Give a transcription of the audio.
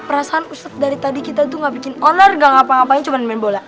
perasaan ustadz dari tadi kita itu gak bikin owner gak ngapa ngapain cuma main bola